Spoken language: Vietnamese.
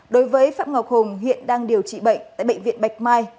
đối với phạm ngọc hùng hiện đang điều trị bệnh tại bệnh viện bạch mai